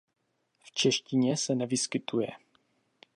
V češtině se nevyskytuje.